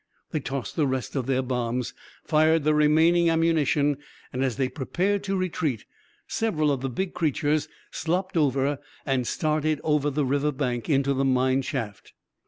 They tossed the rest of their bombs, fired the remaining ammunition, and as they prepared to retreat, several of the big creatures slopped over and started up the river bank into the mine shaft.